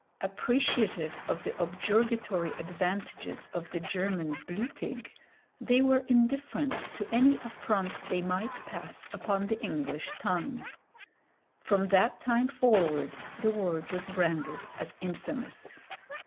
Appreciative of the objurgatory advantages of the German blutig, they were indifferent to any affront they might pass upon the English tongue. From that time forward the word was branded as infamous.